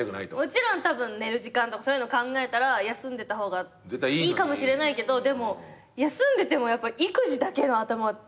もちろんたぶん寝る時間とかそういうの考えたら休んでた方がいいかもしれないけどでも休んでても育児だけの頭もたぶんしんどいじゃないですか。